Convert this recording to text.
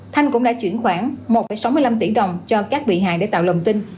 thanh cũng đã chuyển khoản một sáu mươi năm tỷ đồng cho các bị hại để tạo lầm tin